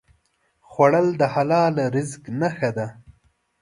خوړل د حلال رزق نښه ده